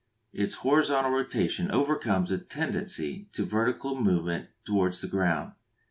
Its horizontal rotation overcomes a tendency to vertical movement towards the ground.